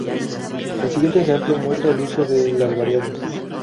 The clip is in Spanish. El siguiente ejemplo muestra el uso de las variables.